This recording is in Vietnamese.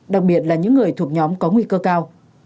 đặc biệt là những người thuộc nhóm có nguy cơ cao